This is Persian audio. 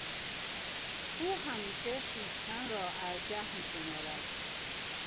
او همیشه خویشتن را ارجح میشمارد.